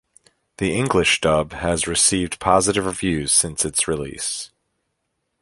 The English dub has received positive reviews since its release.